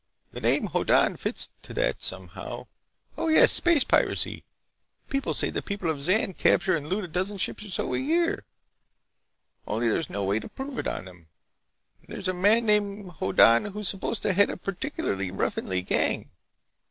"The name Hoddan fits to that somehow. Oh, yes! Space piracy! People say the people of Zan capture and loot a dozen or so ships a year, only there's no way to prove it on them. And there's a man named Hoddan who's supposed to head a particularly ruffianly gang."